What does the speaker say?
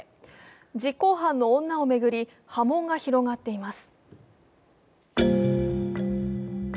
実行犯の女を巡り、波紋が広がっています。